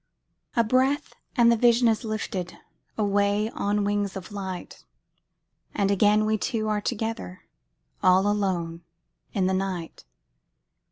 A breath, and the vision is lifted Away on wings of light, And again we two are together, All alone in the night.